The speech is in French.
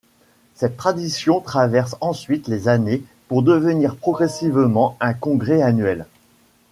Cette tradition traverse ensuite les années pour devenir progressivement un congrès annuel.